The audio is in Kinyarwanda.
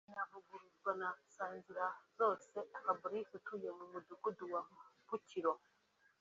inavuguruzwa na Nsanzirazose Fabrice utuye mu mudugudu wa Bukiro